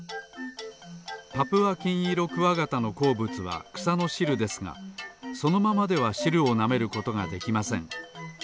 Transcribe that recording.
パプアキンイロクワガタのこうぶつはくさのしるですがそのままではしるをなめることができません。